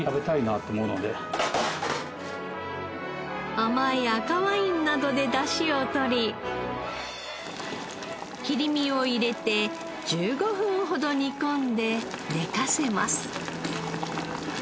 甘い赤ワインなどで出汁を取り切り身を入れて１５分ほど煮込んで寝かせます。